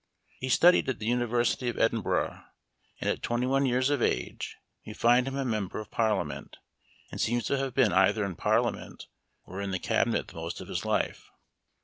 He studied at the University of Edinburgh, and at twenty one years of age we find him a member of Parliament, and seems to have been either in Parliament or in the cabinet the most of his life.